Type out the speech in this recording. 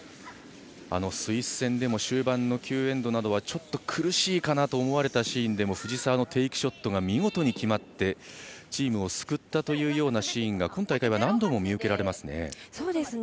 スイス戦でも終盤の９エンドなどはちょっと苦しいかなと思われたシーンでも藤澤のテイクショットが見事に決まってチームを救ったというシーンが今大会は何度も見受けられますね。